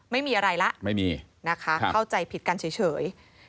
ไม่มีอะไรแล้วเข้าใจผิดกันเฉยนะคะไม่มี